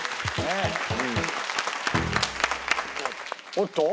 おっと？